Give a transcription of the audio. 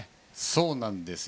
そうなんです。